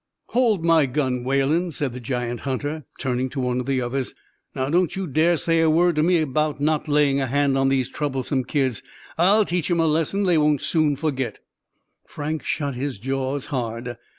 "Hold my gun, Whalen!" said the giant hunter, turning to one of the others. "Now don't you dare say a word to me again about not laying a hand on these troublesome kids. I'll teach 'em a lesson they won't soon forget." Frank shut his jaws hard.